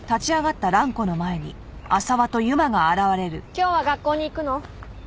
今日は学校に行くの？